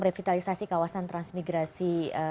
revitalisasi kawasan transmigrasi